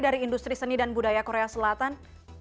dari industri seni dan budaya korea selatan